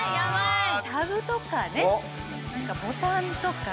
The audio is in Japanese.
タグとかねボタンとか。